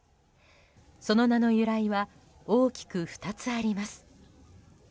その名の由来は大きく２つあります。